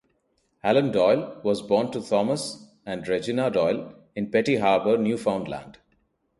Alan Doyle was born to Thomas and Regina Doyle in Petty Harbour, Newfoundland.